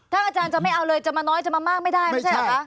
อาจารย์จะไม่เอาเลยจะมาน้อยจะมามากไม่ได้ไม่ใช่เหรอคะ